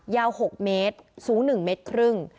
ยาวหกเมตรสูงหนึ่งเมตรครึ่ง